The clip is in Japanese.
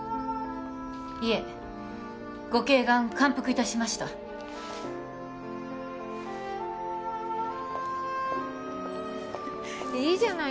いえご慧眼感服いたしましたいいじゃない